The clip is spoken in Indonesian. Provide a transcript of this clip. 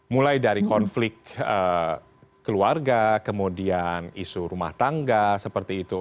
mulai dari konflik keluarga kemudian isu rumah tangga seperti itu